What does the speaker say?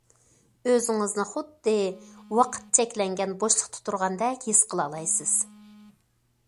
ئۆزىڭىزنى خۇددى ۋاقىت چەكلەنگەن بوشلۇقتا تۇرغاندەك ھېس قىلالايسىز.